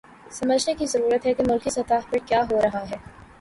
سمجھنے کی ضرورت ہے کہ ملکی سطح پہ کیا ہو رہا ہے۔